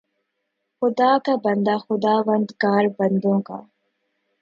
خدا کا بندہ، خداوندگار بندوں کا